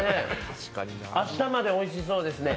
明日までおいしそうですね。